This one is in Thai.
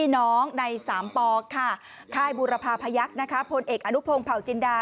ในสามปอกค่ะค่ายบูรพาพยักษ์ผลเอกอนุโพงเผาจินดา